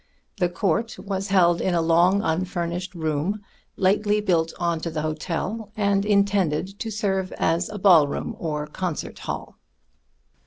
The court was held in a long unfurnished room lately built onto the hotel, and intended to serve as a ball room or concert hall.